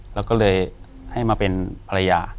แล้วก็เลยให้มาเป็นภรรยา